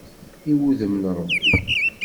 I wuddem n Ṛebbi!